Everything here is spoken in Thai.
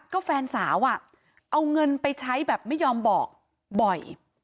ก็แฟนสาวอ่ะเอาเงินไปใช้แบบไม่ยอมบอกบ่อย